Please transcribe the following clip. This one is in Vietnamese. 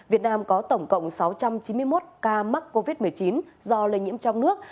việt nam có tổng cộng sáu trăm chín mươi một ca mắc covid một mươi chín do lây nhiễm trong nước